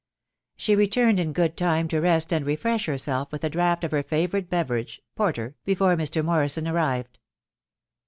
She returned in good time to rest and refresh herself with a draught of her favourite beverage (porter) before Mr. Mor rison arrived.